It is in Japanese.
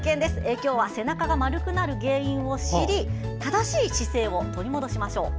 今日は背中が丸くなる原因を知り正しい姿勢を取り戻しましょう。